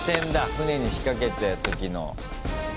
船に仕掛けた時の。